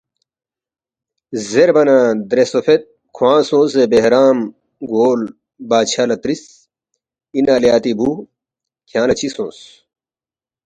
زیربا نہ درے سوفید کھوانگ سونگسے بہرام گول بادشاہ لہ ترِس، ”اِنا لے اتی بُو کھیانگ لہ چِہ سونگس؟“